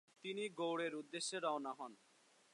তিনি গৌড়ের উদ্দেশ্যে রওনা হন।